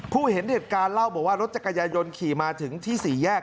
เห็นเหตุการณ์เล่าบอกว่ารถจักรยายนขี่มาถึงที่สี่แยก